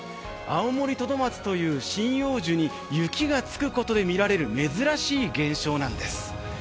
アオモリトドマツという針葉樹に雪がつくことで見られる珍しい現象なんです。